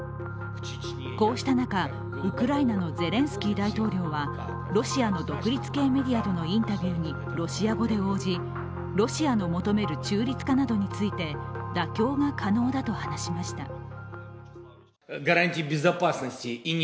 こうした中、ウクライナのゼレンスキー大統領はロシアの独立系メディアとのインタビューにロシア語で応じロシアの求める中立化などについて、妥協が可能だと話しました。